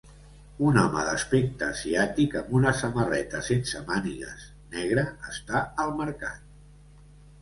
Un home d'aspecte asiàtic amb una samarreta sense mànigues negra està al mercat.